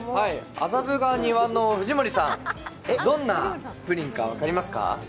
麻布が庭の藤森さん、どんなプリンか分かりますか？